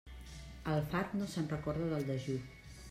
El fart no se'n recorda del dejú.